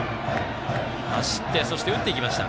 走って、そして打っていきました。